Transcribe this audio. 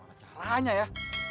aduh luar caranya ya